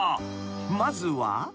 ［まずは］